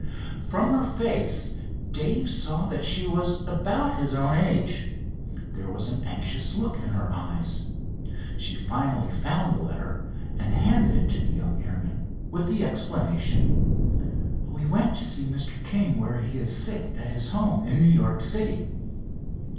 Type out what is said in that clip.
From her face Dave saw that she was about his own age. There was an anxious look in her eyes. She finally found the letter, and handed it to the young airman with the explanation: "We went to Mr. King where he is sick at his home in New York City."